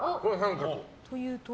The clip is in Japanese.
というと？